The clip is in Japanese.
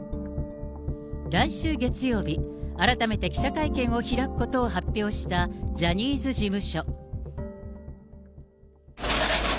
来週月曜日、改めて記者会見を開くことを発表したジャニーズ事務所。